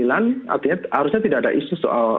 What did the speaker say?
artinya harusnya tidak ada isu soal